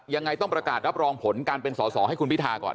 ยังไงต้องประกาศรับรองผลการเป็นสอสอให้คุณพิธาก่อน